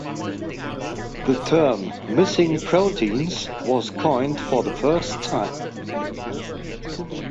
The term ‘Missing Proteins’ was coined for the first time.